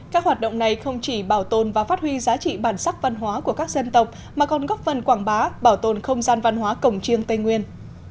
các hoạt động này không chỉ bảo tồn và phát huy giá trị bản sắc văn hóa của các dân tộc mà còn góp phần quảng bá bảo tồn không gian văn hóa cổng chiêng tây nguyên